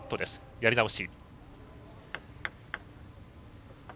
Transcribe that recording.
やり直し。